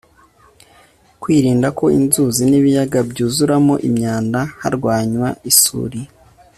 kwirinda ko inzuzi n'ibiyaga byuzuramo imyandaharwanywa isuri